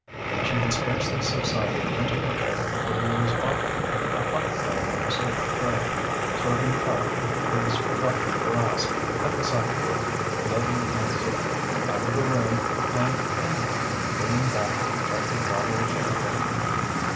She had scarcely subsided into her chair before he was offering her a cocktail on a silver tray, serving Tallente with his forgotten glass, at the sideboard ladling out soup, out of the room and in again, bringing back the rejected bottle of champagne.